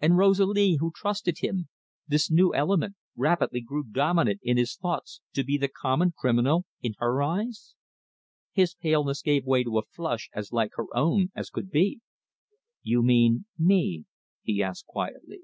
And Rosalie, who trusted him this new element rapidly grew dominant in his thoughts to be the common criminal in her eyes! His paleness gave way to a flush as like her own as could be. "You mean me?" he asked quietly.